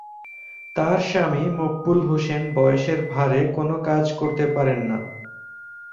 তাঁর স্বামী মকবুল হোসেন বয়সের ভারে কোনো কাজ করতে পারেন না।